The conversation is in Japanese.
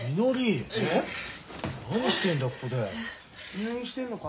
入院してんのか？